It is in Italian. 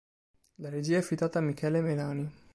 La regia è affidata a Michele Melani.